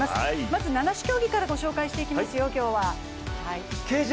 まず七種競技から今日は御紹介していきますよ。